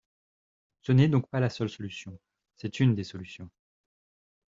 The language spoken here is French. Ce n’est donc pas la seule solution ; c’est une des solutions.